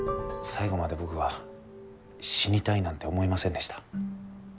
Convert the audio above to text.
最後まで僕は死にたいなんて思いませんでした。